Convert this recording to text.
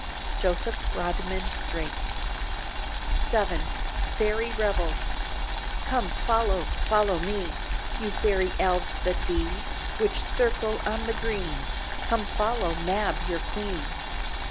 Joseph Rodman Drake VII FAIRY REVELS Come, follow, follow me, You Fairy Elves that be, Which circle on the green, Come, follow Mab your Queen.